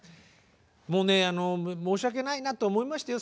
もうね申し訳ないなと思いましたよ。